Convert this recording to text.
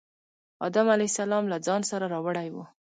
آدم علیه السلام له ځان سره راوړی و.